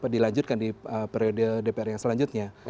dilanjutkan di periode dpr yang selanjutnya